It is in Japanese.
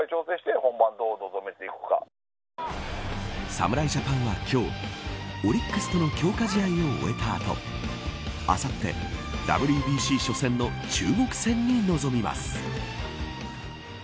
侍ジャパンは今日オリックスとの強化試合を終えた後あさって、ＷＢＣ初戦の中国戦に臨みます。